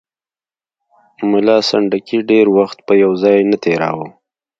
ملا سنډکي ډېر وخت په یو ځای نه تېراوه.